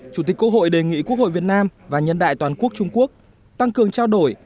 chủ tịch quốc hội đề nghị quốc hội việt nam và nhân đại toàn quốc trung quốc tăng cường trao đổi